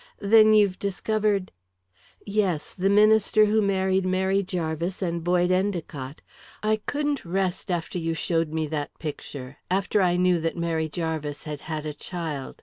"Then you've discovered " "Yes; the minister who married Mary Jarvis and Boyd Endicott. I couldn't rest after you showed me that picture after I knew that Mary Jarvis had had a child.